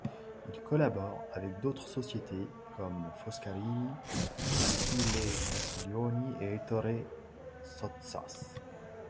Il collabore avec d'autres sociétés comme Foscarini, Achille Castiglioni, et Ettore Sottsass.